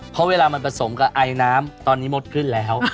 เพราะเวลามันผสมกับไอน้ำตอนนี้มดขึ้นแล้ว